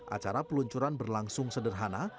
acara peluncuran berlangsung sederhana